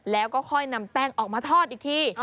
แล้วก็ค่อยนำแป้งออกมาทอดอีกที